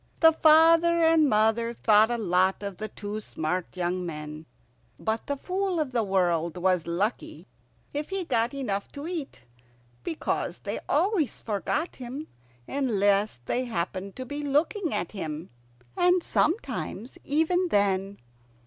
The father and mother thought a lot of the two smart young men; but the Fool of the World was lucky if he got enough to eat, because they always forgot him unless they happened to be looking at him, and sometimes even then.